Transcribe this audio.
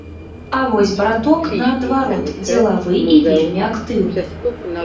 А вось браток наадварот дзелавы і вельмі актыўны.